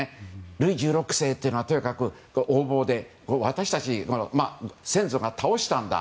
ルイ１６世というのはとにかく横暴で私たち先祖が倒したんだ